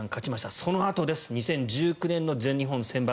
そのあと２０１９年の全日本選抜。